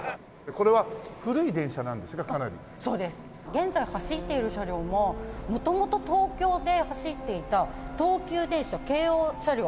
現在走っている車両も元々東京で走っていた東急電車京王車両